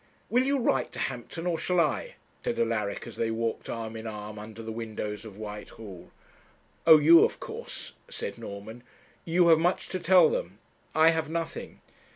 'Will you write to Hampton or shall I?' said Alaric, as they walked arm in arm under the windows of Whitehall. 'Oh! you, of course,' said Norman; 'you have much to tell them; I have nothing.'